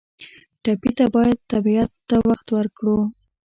ټپي ته باید طبیعت ته وخت ورکړو.